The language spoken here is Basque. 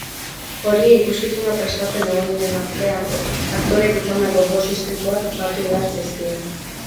Horiei ikuskizuna prestatzen egon diren artean aktoreek izandako bost istripuak batu behar zaizkie.